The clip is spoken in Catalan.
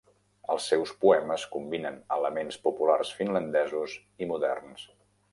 Els seus poemes combinen elements populars finlandesos i moderns.